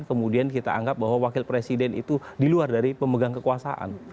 kemudian kita anggap bahwa wakil presiden itu di luar dari pemegang kekuasaan